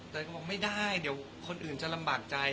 แต่ก็บอกไม่ได้เดี๋ยวคนอื่นจะลำบากใจ